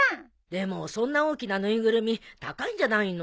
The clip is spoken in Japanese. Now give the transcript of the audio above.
でもそんな大きな縫いぐるみ高いんじゃないの？